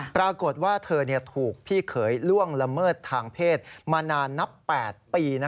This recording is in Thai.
ปรากฏว่าเธอถูกพี่เขยล่วงละเมิดทางเพศมานานนับ๘ปี